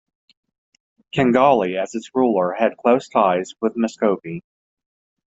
Canghali as its ruler had close ties with Muscovy.